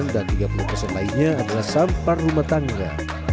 dan tiga puluh lainnya adalah sampah rumah tangga